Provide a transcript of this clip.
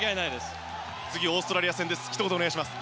次はオーストラリア戦ひと言お願いします。